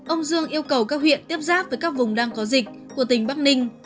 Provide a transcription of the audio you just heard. ông dương yêu cầu các huyện tiếp giáp với các vùng đang có dịch của tỉnh bắc ninh